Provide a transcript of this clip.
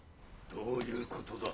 ・どういうことだ？